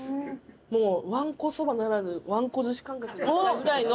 もうわんこそばならぬわんこずし感覚でいきたいぐらいの。